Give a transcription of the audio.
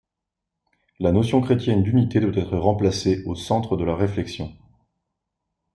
La notion chrétienne d'unité doit être replacée au centre de la réflexion.